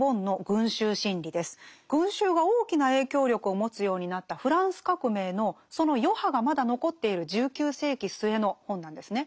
群衆が大きな影響力を持つようになったフランス革命のその余波がまだ残っている１９世紀末の本なんですね。